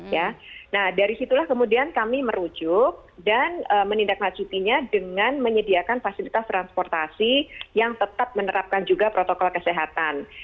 ya nah dari situlah kemudian kami merujuk dan menindaklanjutinya dengan menyediakan fasilitas transportasi yang tetap menerapkan juga protokol kesehatan